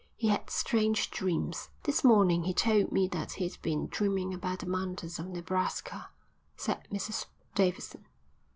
He had strange dreams. "This morning he told me that he'd been dreaming about the mountains of Nebraska," said Mrs Davidson.